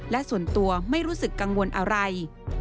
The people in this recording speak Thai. และส่วนตัวไม่รู้สึกกังวลอะไร